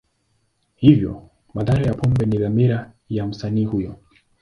Hivyo, madhara ya pombe ni dhamira ya msanii huyo.